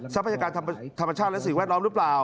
พยากรธรรมชาติและสิ่งแวดล้อมหรือเปล่า